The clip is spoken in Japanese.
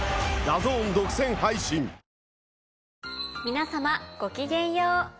皆様ごきげんよう。